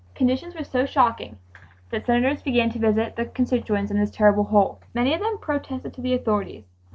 Conditions were so shocking that Senators began to visit their constituents in this terrible hole. Many of them protested to the authorities.